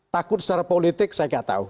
takut secara politik saya nggak tahu